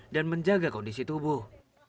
dan menjaga kondisi tubuh